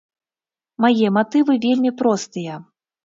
Мае матывы вельмі простыя.